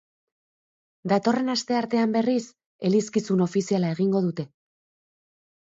Datorren asteartean, berriz, elizkizun ofiziala egingo dute.